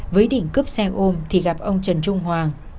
với đỉnh cướp xe ôm thì gặp ông trần trung hoàng